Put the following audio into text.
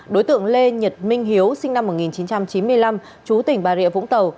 đối tượng lê nhật minh hiếu sinh năm một nghìn chín trăm chín mươi năm chú tỉnh bà rịa vũng tàu